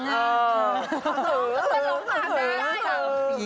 สิลูกภาพได้